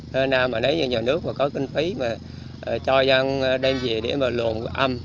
hên nam mà nếu như nhà nước mà có kinh phí mà cho ra đêm dị để mà luồn âm